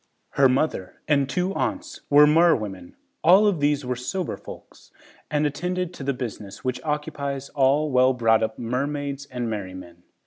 Her mother and two aunts were merwomen. All of these were sober folks and attended to the business which occupies all well brought up mermaids and merrymen.